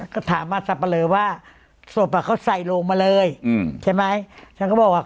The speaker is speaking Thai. ก็ถามมาสับปะเลอว่าศพอ่ะเขาใส่ลงมาเลยอืมใช่ไหมฉันก็บอกว่า